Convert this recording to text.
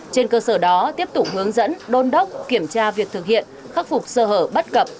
trên cơ sở đó tiếp tục hướng dẫn đôn đốc kiểm tra việc thực hiện khắc phục sơ hở bất cập